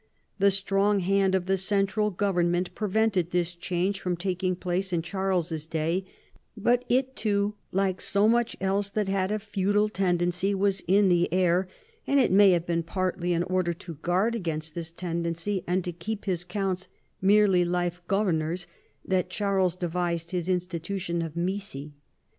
The strong hand of the central government prevented this change from taking place in Charles's day, but it, too, like so much else that had a feudal tendency, was " in the air "; and it may have been partly in order to guard against this tendency and to keep his counts merely life governors that Charles devised his institution of missi.